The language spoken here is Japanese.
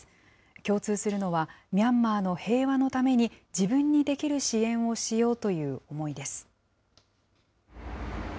共通するのは、ミャンマーの平和のために、自分にできる支援をしようという思いです。